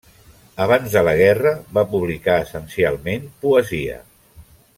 Abans de la guerra va publicar essencialment poesia.